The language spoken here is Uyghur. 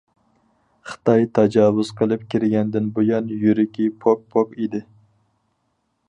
خىتاي تاجاۋۇز قىلىپ كىرگەندىن بۇيان يۈرىكى پوك پوك ئىدى.